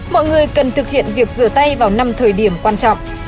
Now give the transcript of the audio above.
mọi người cần thực hiện việc rửa tay vào năm thời điểm quan trọng